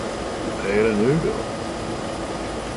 Vad är det nu då?